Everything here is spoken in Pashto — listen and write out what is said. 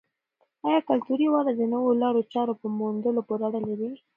آیا کلتوري وده د نویو لارو چارو په موندلو پورې اړه لري؟